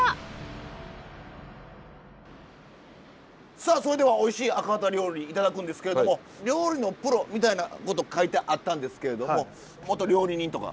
さあそれではおいしいアカハタ料理頂くんですけれども「料理のプロ」みたいなこと書いてあったんですけれども元料理人とか？